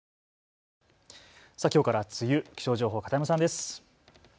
きょうから梅雨気象情報、片山さんです。